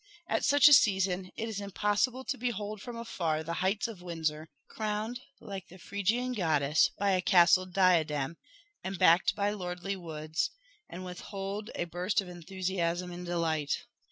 At such a season it is impossible to behold from afar the heights of Windsor, crowned, like the Phrygian goddess, by a castled diadem, and backed by lordly woods, and withhold a burst of enthusiasm and delight.